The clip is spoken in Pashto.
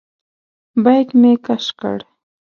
بیک مې کش کړ.